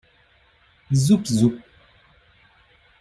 Zupp, zupp!